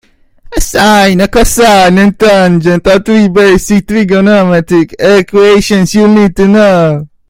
Sine, cosine and tangent are three basic trigonometric equations you'll need to know.